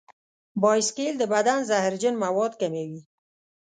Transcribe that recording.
بایسکل د بدن زهرجن مواد کموي.